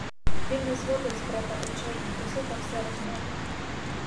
Він не зводив з брата очей і прислухався розмові.